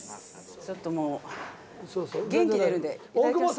ちょっともう元気出るんでいただきます。